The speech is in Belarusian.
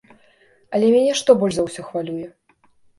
Але мяне што больш за ўсё хвалюе?